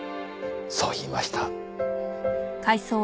そう言いました。